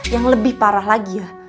yang lebih parah lagi ya